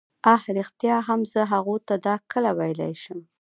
اه ریښتیا هم زه هغو ته دا کله ویلای شم.